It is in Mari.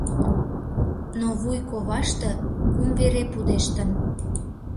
Но вуй коваште кум вере пудештын.